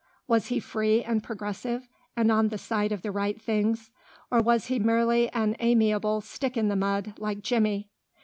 Was he free and progressive and on the side of the right things, or was he merely an amiable stick in the mud like Jimmy?